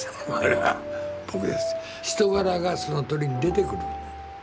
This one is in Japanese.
人柄がその鳥に出てくるの。